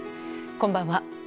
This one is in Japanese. こんばんは。